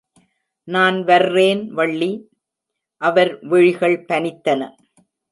நான் வர்றேன் வள்ளி. அவர் விழிகள் பனித்தன.